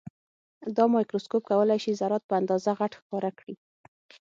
دا مایکروسکوپ کولای شي ذرات په اندازه غټ ښکاره کړي.